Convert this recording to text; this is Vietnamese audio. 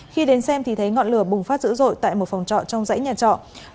khi đến xem thì thấy ngọn lửa bùng phát dữ dội tại một phòng trọ trong dãy nhà trọ